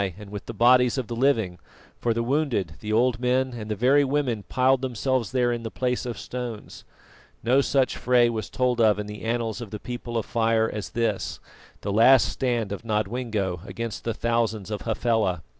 and with the bodies of the living, for the wounded, the old men and the very women piled themselves there in the place of stones. No such fray was told of in the annals of the People of Fire as this, the last stand of Nodwengo against the thousands of Hafela.